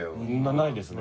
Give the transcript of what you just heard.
ないですね。